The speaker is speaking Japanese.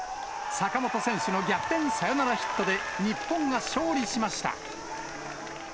坂本選手の逆転サヨナラヒットで日本が勝利しました。